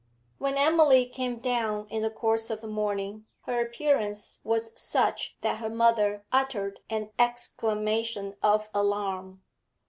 When Emily came down in the course of the morning, her appearance was such that her mother uttered an exclamation of alarm.